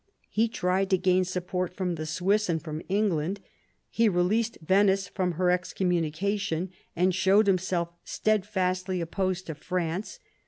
He tried to gain support from the Swiss and from England. He released Venice from her excom munication, and showed himself steadfastly opposed to France.